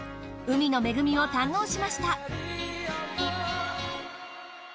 海の恵みを堪能しました。